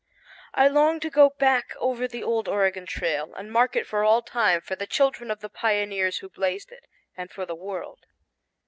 I longed to go back over the old Oregon Trail and mark it for all time for the children of the pioneers who blazed it, and for the world.